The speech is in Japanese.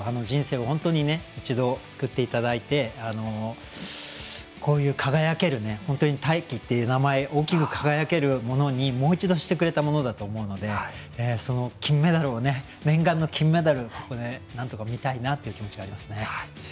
人生を一度救っていただいてこういう輝ける本当に「大輝」という名前大きく輝けるものにもう一度してくれたものだと思うのでその念願の金メダルなんとかみたいなという気持ちがありますね。